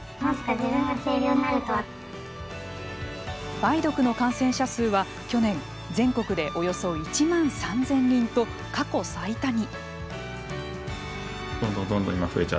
梅毒の感染者数は、去年全国でおよそ１万３０００人と過去最多に。